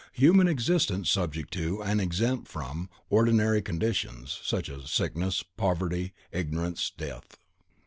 Human Existence subject to, and exempt from, ordinary conditions (Sickness, Poverty, Ignorance, Death).